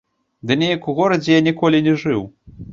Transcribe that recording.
Ды нейк у горадзе я ніколі не жыў.